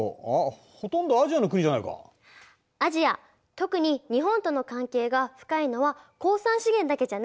特に日本との関係が深いのは鉱産資源だけじゃないんです。